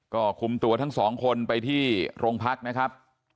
ก็กลุ่มตัวทั้ง๒คนไปที่ภาคนะครับ